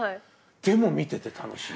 でも見てて楽しい。